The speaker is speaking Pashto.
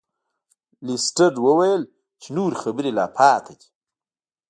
لیسټرډ وویل چې نورې خبرې لا پاتې دي.